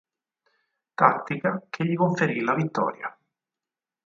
Tattica che gli conferì la vittoria.